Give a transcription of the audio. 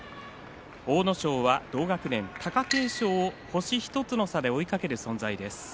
阿武咲は同学年、貴景勝を星１つの差で追いかける存在です。